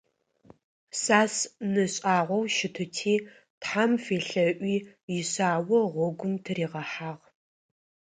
Сас ны шӏагъоу щытыти, тхьэм фелъэӏуи ишъао гъогум тыригъэхьагъ.